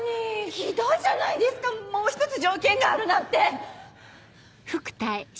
ひどいじゃないですかもう一つ条件があるなんて！